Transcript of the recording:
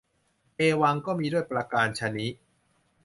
เอวัง ก็มีด้วยประการฉะนี้